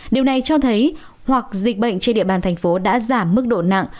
điều này cho thấy hoặc dịch bệnh trên địa bàn thành phố đã giảm mức độ nặng